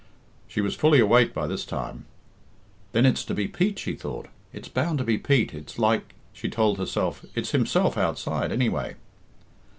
She was fully awake by this time. "Then it's to be Pete," she thought. "It's bound to be Pete, it's like," she told herself. "It's himself outside, anyway."